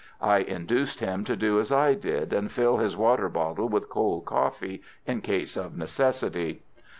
I induced him to do as I did, and fill his water bottle with cold coffee in case of necessity.